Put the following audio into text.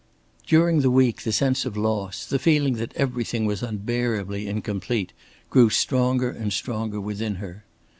During the week the sense of loss, the feeling that everything was unbearably incomplete, grew stronger and stronger within her.